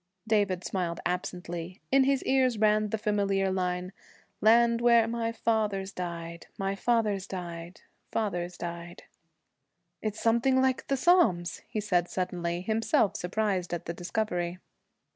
David smiled absently. In his ears ran the familiar line, 'Land where my fathers died my fathers died fathers died.' 'It's something like the Psalms!' he said suddenly, himself surprised at the discovery.